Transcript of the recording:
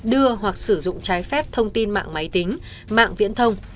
đưa hoặc sử dụng trái phép thông tin mạng máy tính mạng viễn thông